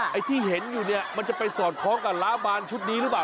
ไอ้ที่เห็นอยู่เนี่ยมันจะไปสอดคล้องกับล้าบานชุดนี้หรือเปล่า